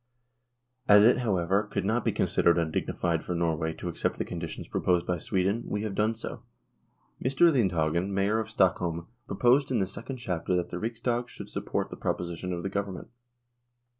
As it, however, could not be considered undignified for Norway to accept the conditions proposed by Sweden, we have done so. Mr. Lindhagen, Mayor of Stockholm, proposed in the Second Chamber that the Riksdag should support the proposition of the Government.